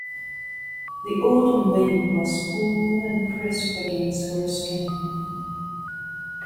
The autumn wind was cool and crisp against her skin.